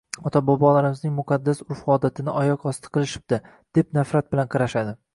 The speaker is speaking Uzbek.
ota-bobolarimizning muqaddas urf-odatini oyoq osti qilishibdi, deb nafrat bilan qarashadi.